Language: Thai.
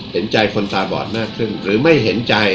เห็นใจคนตาบอดมากขึ้นหรือไม่เห็นใจ